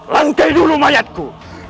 langgai dulu mayatku